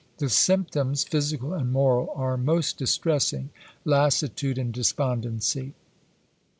The symptoms, physical and moral, are most distressing: lassitude and despondency.